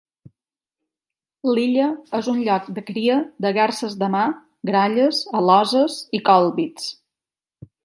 L'illa és un lloc de cria de garses de mar, gralles, aloses i còlbits.